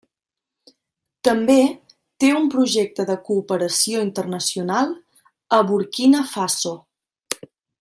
També té un projecte de cooperació internacional a Burkina Faso.